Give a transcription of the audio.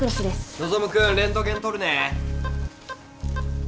希君レントゲンとるね。